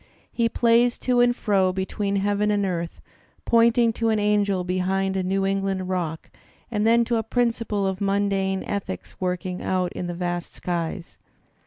He plays to and fro between heaven and earth, pointing to an angel behind a New England rock and then to a principle of mundane ethics work ing out in the vast skies.